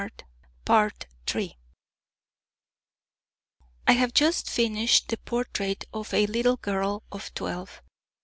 I have just finished the portrait of a little girl of twelve.